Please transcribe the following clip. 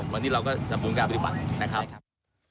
วันนี้เราก็จะพูดการปฏิบัณฑ์นะครับ